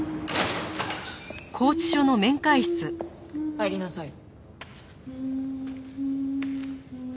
入りなさい。